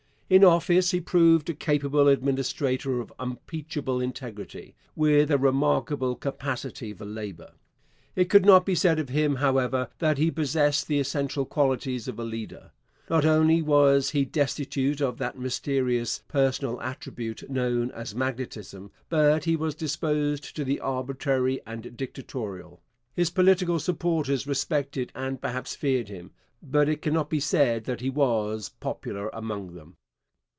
In office he proved a capable administrator of unimpeachable integrity, with a remarkable capacity for labour. It could not be said of him, however, that he possessed the essential qualities of a leader. Not only was he destitute of that mysterious personal attribute known as 'magnetism,' but he was disposed to be arbitrary and dictatorial. His political supporters respected and perhaps feared him, but it cannot be said that he was popular among them.